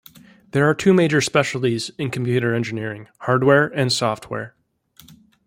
There are two major specialties in computer engineering: hardware and software.